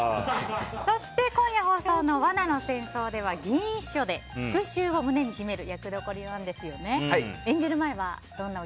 そして今夜放送の「罠の戦争」では議員秘書で復讐を胸に秘める役どころなんですよね。